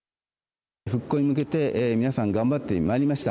復興に向けて皆さん頑張ってまいりました。